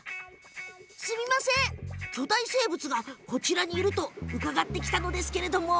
すみません、巨大生物がこちらにいると伺って来たんですけれども。